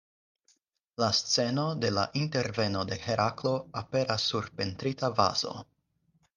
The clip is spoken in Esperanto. La sceno de la interveno de Heraklo aperas sur pentrita vazo.